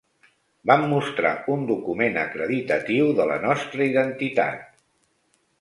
Vam mostrar un document acreditatiu de la nostra identitat.